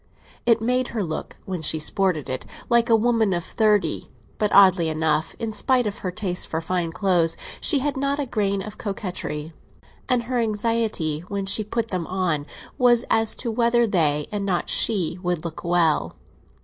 It made her look, when she sported it, like a woman of thirty; but oddly enough, in spite of her taste for fine clothes, she had not a grain of coquetry, and her anxiety when she put them on was as to whether they, and not she, would look well.